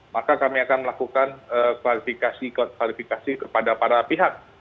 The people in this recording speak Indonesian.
maka kami akan melakukan klarifikasi kepada para pihak